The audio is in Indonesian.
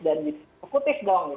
dan itu kutip dong